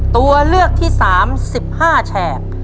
ตัวเลือกที่๓๑๕แฉก